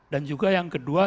dan juga yang kedua